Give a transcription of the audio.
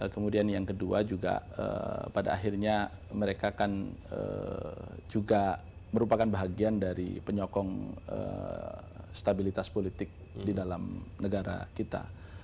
kemudian yang kedua juga pada akhirnya mereka kan juga merupakan bahagian dari penyokong stabilitas politik di dalam negara kita